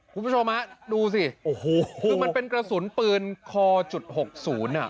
คุณผู้ชมฮะดูสิโอ้โหคือมันเป็นกระสุนปืนคอจุดหกศูนย์อ่ะ